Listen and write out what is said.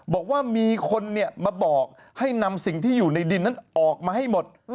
บอกว่ามีคนมาบอกให้นำสิ่งที่อยู่ในดินนั้นออกมาให้หมด